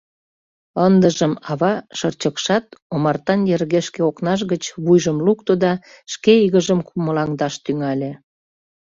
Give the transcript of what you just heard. Ындыжым ава шырчыкшат омартан йыргешке окнаж гыч вуйжым лукто да шке игыжым кумылаҥдаш тӱҥале.